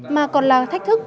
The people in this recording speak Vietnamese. mà còn là thách thức